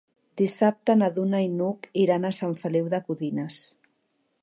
Dissabte na Duna i n'Hug iran a Sant Feliu de Codines.